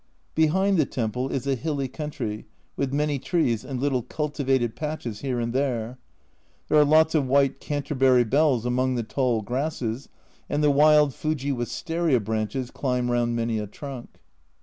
Behind the temple is a hilly country with many trees and little cultivated patches here and there. There are lots of white Canterbury bells among the tall grasses, and the wild Fuji wistaria branches climb round many a trunk.